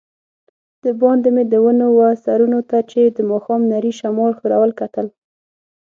دباندې مې د ونو وه سرونو ته چي د ماښام نري شمال ښورول، کتل.